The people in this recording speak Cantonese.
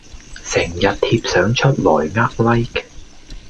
成日貼相出來呃 like